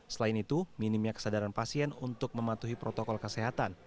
selain itu minimnya kesadaran pasien untuk mematuhi protokol kesehatan